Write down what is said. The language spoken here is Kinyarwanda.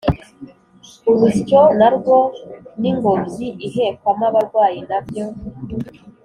urusyo narwo n’ingobyi ihekwamo abarwayi nabyo